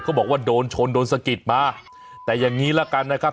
บอกว่าโดนชนโดนสะกิดมาแต่อย่างงี้ละกันนะครับ